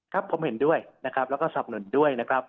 ครับผมเห็นด้วยนะครับแล้วก็สับหนุนด้วยนะครับ